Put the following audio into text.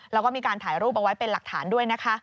แล้วก็มีการถ่ายรูปเอาไว้เป็นหลักฐานด้วยนะคะ